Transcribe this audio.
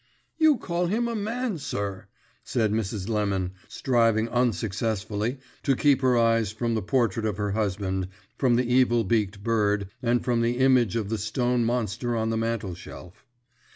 "You called him a man, sir," said Mrs. Lemon, striving unsuccessfully to keep her eyes from the portrait of her husband, from the evil beaked bird, and from the image of the stone monster on the mantelshelf.